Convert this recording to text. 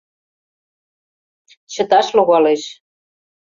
Чыташ логалеш.